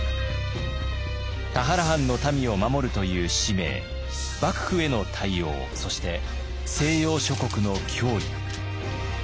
田原藩の民を守るという使命幕府への対応そして西洋諸国の脅威。